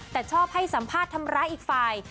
แต่ชอบให้สัมภาษณ์ทำร้ายอีกฝ่าย